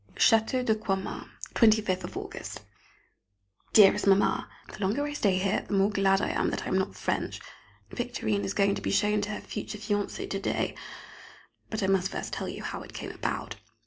Château de Croixmare, 25th August. [Sidenote: Croixmare again] Dearest Mamma, The longer I stay, here the more glad I am that I am not French! Victorine is going to be shown to her future fiancé to day, but I must first tell you how it came about.